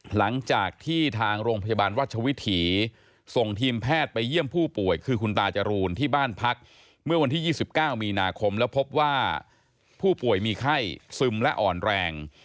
หลังจากที่ทางโรงพยาบาลวัชวิถีส่งทีมแพทย์ไปเยี่ยมผู้ป่วยคือคุณตาจรูนที่บ้านพักเมื่อวันที่๒๙มีนาคมแล้วพบว่าผู้ป่วยมีไข้ซึมและอ่อนแรง